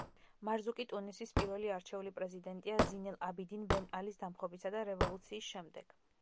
მარზუკი ტუნისის პირველი არჩეული პრეზიდენტია ზინ ელ-აბიდინ ბენ ალის დამხობისა და რევოლუციის შემდეგ.